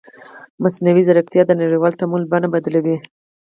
مصنوعي ځیرکتیا د نړیوال تعامل بڼه بدلوي.